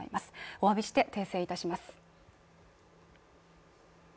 おわびして訂正いたします。